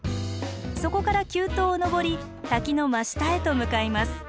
そこから急登を登り滝の真下へと向かいます。